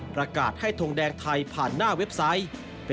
ประกาศให้ทงแดงไทยผ่านหน้าเว็บไซต์